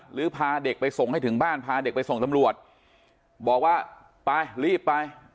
หรือพาเด็กไปส่งให้ถึงบ้านพาเด็กไปส่งตำรวจบอกว่าไปรีบไป